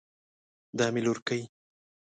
دا مې لورکۍ